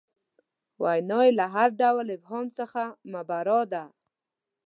وینا یې له هر ډول ابهام څخه مبرا ده.